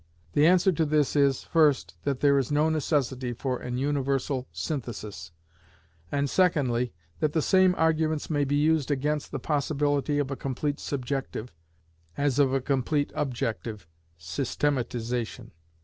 The answer to this is, first, that there is no necessity for an universal synthesis; and secondly, that the same arguments may be used against the possibility of a complete subjective, as of a complete objective systematization.